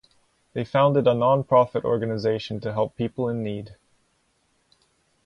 They founded a non-profit organization to help people in need.